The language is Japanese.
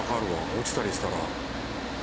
落ちたりしたら。